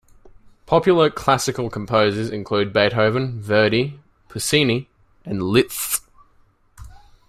Popular classical composers include Beethoven, Verdi, Puccini and Liszt.